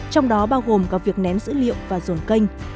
trong đó bao gồm việc nén dữ liệu và dồn kênh